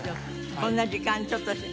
こんな時間ちょっと。